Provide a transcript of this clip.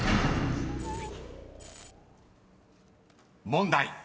［問題］